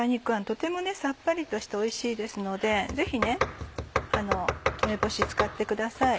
とてもさっぱりとしておいしいですのでぜひ梅干し使ってください。